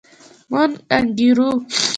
موږ انګېرو.